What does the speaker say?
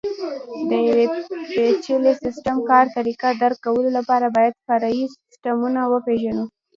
د یوه پېچلي سیسټم کار طریقه درک کولو لپاره باید فرعي سیسټمونه وپېژنو.